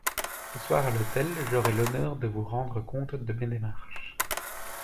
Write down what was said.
Ce soir, à l'hôtel, j'aurai l'honneur de vous rendre compte de mes démarches.